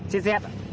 chết chết ạ